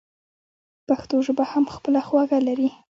پښتو ژبه هم خپله خوږه لري.